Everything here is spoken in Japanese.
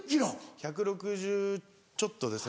１６０ちょっとですね。